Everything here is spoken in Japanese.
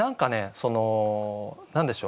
その何でしょう。